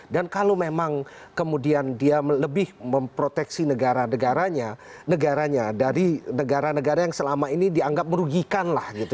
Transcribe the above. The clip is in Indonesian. dan kalau memang kemudian dia lebih memproteksi negara negaranya dari negara negara yang selama ini dianggap merugikan